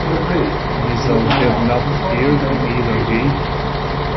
Mizell did not appear in either game.